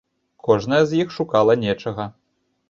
Кожная з іх шукала нечага.